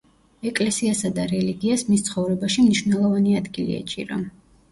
ეკლესიასა და რელიგიას მის ცხოვრებაში მნიშვნელოვანი ადგილი ეჭირა.